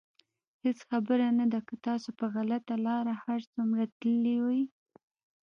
هېڅ خبره نه ده که تاسو په غلطه لاره هر څومره تللي وئ.